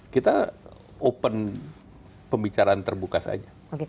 kita open pembicaraan terbuka saja